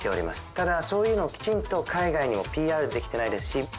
ただそういうのをきちんと海外にＰＲできてないですし。